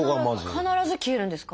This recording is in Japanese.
必ず消えるんですか？